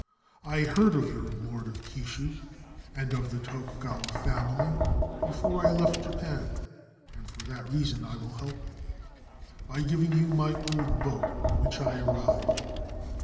I heard of your Lord of Kishi and of the Tokugawa family before I left Japan, and foi that reason I will help you by giving you my old boat in which I arrived.